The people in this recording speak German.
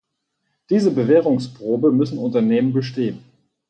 Diese Bewährungsprobe müssen Unternehmen bestehen.